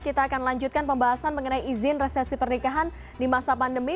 kita akan lanjutkan pembahasan mengenai izin resepsi pernikahan di masa pandemi